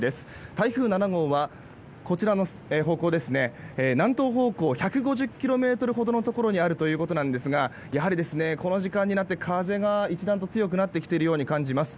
台風７号はこちらの南東方向１５０ｋｍほどのところにあるということなんですがやはりこの時間になって風が一段と強くなっているように感じます。